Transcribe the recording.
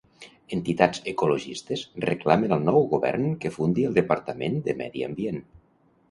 Entitats ecologistes reclamen al nou Govern que fundi el Departament de Medi Ambient.